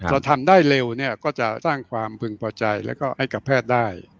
ถ้าทำได้เร็วเนี่ยก็จะสร้างความพึงพอใจแล้วก็ให้กับแพทย์ได้